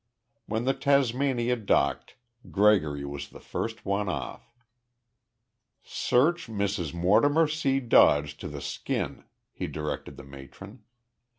When the Tasmania docked, Gregory was the first one off. "Search Mrs. Mortimer C. Dodge to the skin," he directed the matron.